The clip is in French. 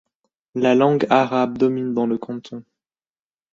La langue arabe domine dans le canton.